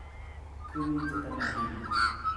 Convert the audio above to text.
คือมีเจตนาดี